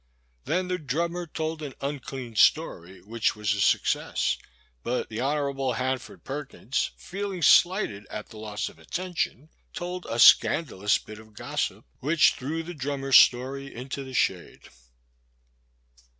Then the drummer told an unclean story which was a success, but the Hon. Hanford Per kins, feeling slighted at the loss of attention, told a scandalous bit of gossip which threw the drum mer's story into the shade.